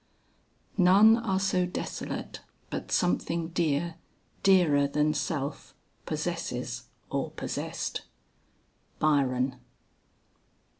"None are so desolate but something dear, Dearer than self, possesses or possessed." BYRON.